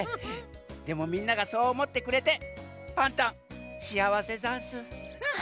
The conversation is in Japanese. でもみんながそうおもってくれてパンタンしあわせざんす。